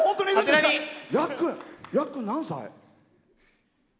ヤックン、何歳？